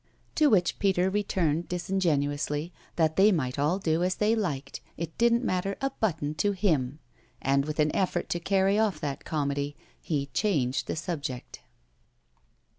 To which Peter returned disingenuously that they might all do as they liked it didn't matter a button to him. And with an effort to carry off that comedy he changed the subject.